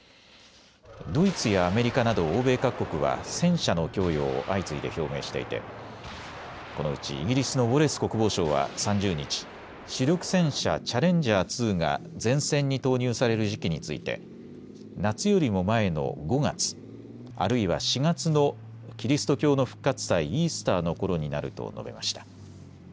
ドイツやアメリカなど欧米各国は戦車の供与を相次いで表明していてこのうちイギリスのウォレス国防相は３０日、主力戦車、チャレンジャー２が前線に投入される時期について夏よりも前の５月、あるいは４月のキリスト教の復活祭、イースターのころになると述べました。